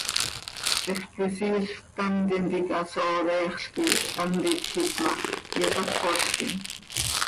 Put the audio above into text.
Zixquisiil ctam tintica sooda eexl quih hant itjiit ma, yotápolquim.